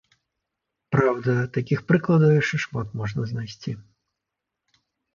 Праўда, такіх прыкладаў яшчэ шмат можна знайсці.